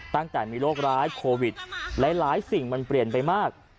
ตั้งแต่มีโรคร้ายโควิดหลายสิ่งมันเปลี่ยนไปมาก